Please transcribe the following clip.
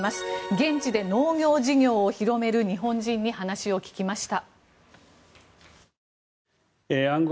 現地で農業事業を広める日本人に話を聞きました。